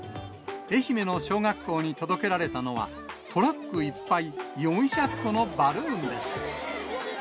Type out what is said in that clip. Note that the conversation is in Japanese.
愛媛の小学校に届けられたのは、トラックいっぱい、４００個のバルーンです。